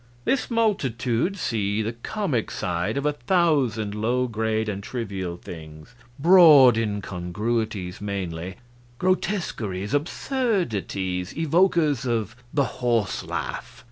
This multitude see the comic side of a thousand low grade and trivial things broad incongruities, mainly; grotesqueries, absurdities, evokers of the horse laugh.